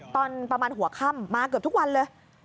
ตอนประมาณหัวค่ำมาเกือบทุกวันเลย